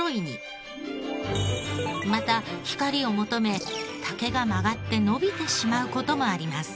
また光を求め竹が曲がって伸びてしまう事もあります。